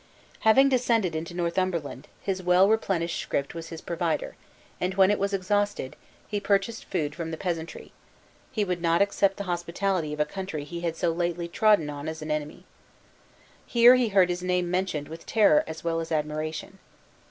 Having descended into Northumberland, his well replenished script was his provider; and when it was exhausted, he purchased food from the peasantry; he would not accept the hospitality of a country he had so lately trodden as an enemy. Here he heard his name mentioned with terror as well as admiration.